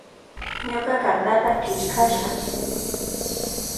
Ñuka kartata killkasha.